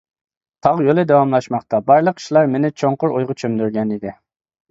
تاغ يولى داۋاملاشماقتا، بارلىق ئىشلار مېنى چوڭقۇر ئويغا چۆمدۈرگەنىدى.